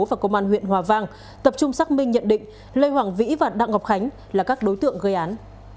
và công an huyện hòa vang tập trung xác minh nhận định lê hoàng vĩ và đặng ngọc khánh là các đối tượng gây án